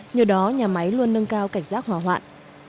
nhờ đó nhà máy luôn nâng cao cảnh giác hòa hoạn